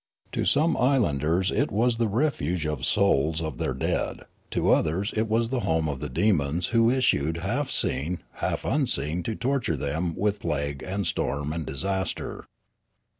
To some islanders it was the refuge of the souls of their 14 Riallaro dead; to others it was the home of the demons who issued half seen, half nnseen to torture them with plague and storm and disaster.